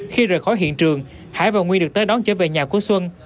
khi rời khỏi hiện trường hải và nguy được tới đón trở về nhà của xuân